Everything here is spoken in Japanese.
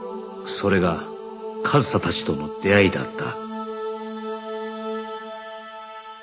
それが和沙たちとの出会いだった